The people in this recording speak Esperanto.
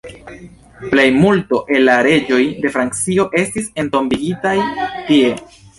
Plejmulto el la reĝoj de Francio estis entombigitaj tie.